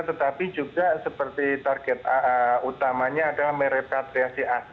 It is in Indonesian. tetapi juga seperti target utamanya adalah merepatriasi